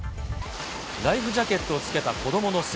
ライフジャケットを着けた子